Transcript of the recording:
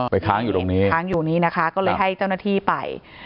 ค้างอยู่ตรงนี้ค้างอยู่นี้นะคะก็เลยให้เจ้าหน้าที่ไป